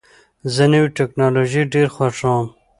زه نوې ټکنالوژۍ ډېر خوښوم.